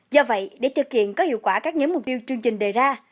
do vậy để thực hiện có hiệu quả các nhóm mục tiêu chương trình đề ra